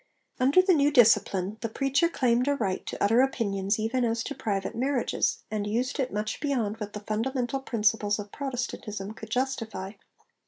Under the new discipline the preacher claimed a right to utter opinions even as to private marriages, and used it much beyond what the fundamental principles of Protestantism could justify.